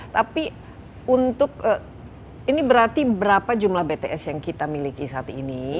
tapi untuk ini berarti berapa jumlah bts yang kita miliki saat ini